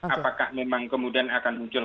apakah memang kemudian akan muncul